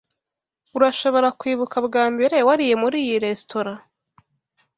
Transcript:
Urashobora kwibuka bwa mbere wariye muri iyi resitora?